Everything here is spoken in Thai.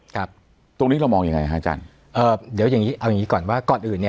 ครับตรงนี้เรามองยังไงฮะอาจารย์เอ่อเดี๋ยวอย่างงี้เอาอย่างงี้ก่อนว่าก่อนอื่นเนี่ย